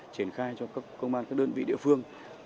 triển khai cho công an các đơn vị địa phương